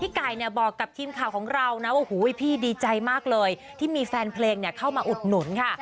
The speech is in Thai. ไก่เนี่ยบอกกับทีมข่าวของเรานะโอ้โหพี่ดีใจมากเลยที่มีแฟนเพลงเข้ามาอุดหนุนค่ะ